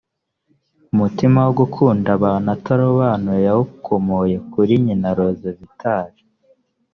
mutima wo gukunda abantu atarobanuye yawukomoye kuri nyina rose vitalli